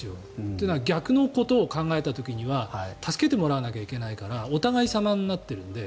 というのは逆のことを考えた時には助けてもらわないといけないからお互い様になっているので。